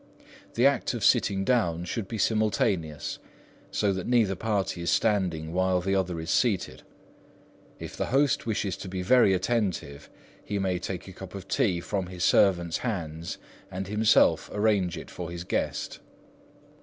The act of sitting down should be simultaneous, so that neither party is standing while the other is seated. If the host wishes to be very attentive, he may take a cup of tea from his servant's hands and himself arrange it for his guest.